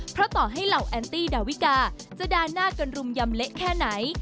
เพราะต่อให้เหล่าแอนตี้ดาวิกาจะด่าหน้าจนรุมยำเละแค่ไหน